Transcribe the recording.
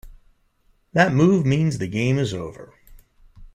That move means the game is over.